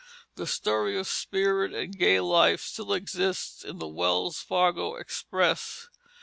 The story of spirited and gay life still exists in the Wells Fargo Express.